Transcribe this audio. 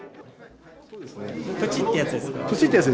プチってやつですか？